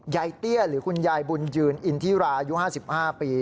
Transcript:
เตี้ยหรือคุณยายบุญยืนอินทิราอายุ๕๕ปี